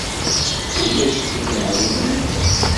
Ulac tin i iɛelmen.